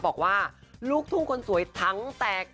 บอกว่าลูกทุ่งคนสวยทั้งแตก